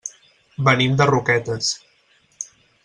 Venim de Roquetes.